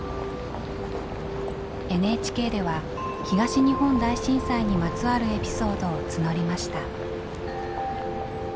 ＮＨＫでは東日本大震災にまつわるエピソードを募りました。